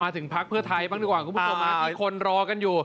ถึงพักเพื่อไทยบ้างดีกว่าคุณผู้ชมทุกคนรอกันอยู่